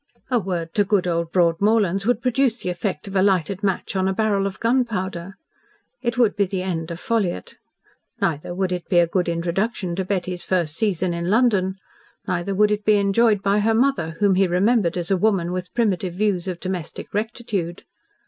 A word to good old Broadmorlands would produce the effect of a lighted match on a barrel of gunpowder. It would be the end of Ffolliott. Neither would it be a good introduction to Betty's first season in London, neither would it be enjoyed by her mother, whom he remembered as a woman with primitive views of domestic rectitude.